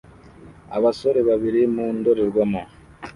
Abasore babiri mu ndorerwamo